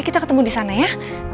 kita ketemu di sana ya